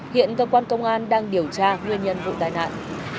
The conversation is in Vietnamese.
hiện cơ quan công an đang điều tra nguyên nhân vụ tai nạn